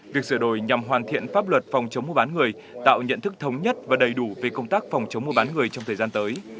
việc sửa đổi nhằm hoàn thiện pháp luật phòng chống mua bán người tạo nhận thức thống nhất và đầy đủ về công tác phòng chống mua bán người trong thời gian tới